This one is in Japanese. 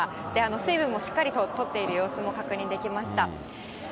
水分をしっかりととっている様子も確認できました。